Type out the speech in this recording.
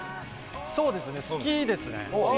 そうですね好きですね好き？